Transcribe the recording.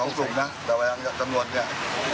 สองกลุ่มนะแต่ว่ายังจังหวนเนี่ย